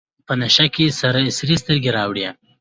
په نشه کې سرې سترګې رااړوي.